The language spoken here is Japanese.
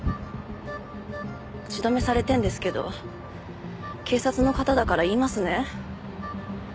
口止めされてるんですけど警察の方だから言いますね。